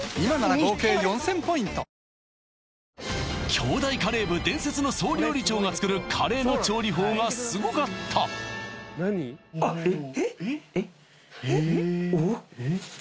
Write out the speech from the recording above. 京大カレー部伝説の総料理長が作るカレーの調理法がすごかったえっ？